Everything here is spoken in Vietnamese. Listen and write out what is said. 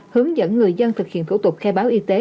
hướng dẫn người dân thực hiện thủ tục khai báo y tế